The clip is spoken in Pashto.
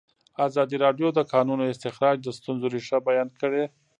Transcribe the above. ازادي راډیو د د کانونو استخراج د ستونزو رېښه بیان کړې.